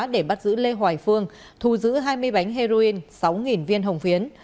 để bắt giữ lê hoài phương thu giữ hai mươi bánh heroin sáu viên hồng phiến